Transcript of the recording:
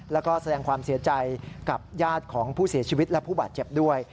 แล้วก็แสดงความเสียใจกับญาติของผู้เสียชีวิตและผู้บาดเจ็บด้วย